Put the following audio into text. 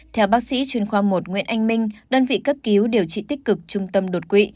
theo bác sĩ chuyên khoa một nguyễn anh minh đơn vị cấp cứu điều trị tích cực trung tâm đột quỵ